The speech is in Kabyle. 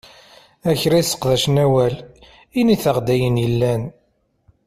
A kra yesseqdacen awal, init-aɣ-d ayen yellan!